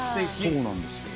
そうなんですよ。